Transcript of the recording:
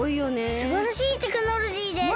すばらしいテクノロジーです！